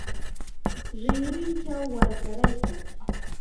Rinrinchaw warkaraykan.